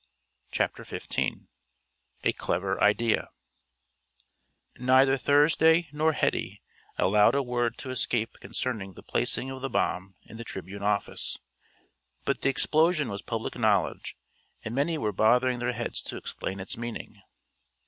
CHAPTER XV A CLEVER IDEA Neither Thursday nor Hetty allowed a word to escape concerning the placing of the bomb in the Tribune office, but the explosion was public knowledge and many were bothering their heads to explain its meaning.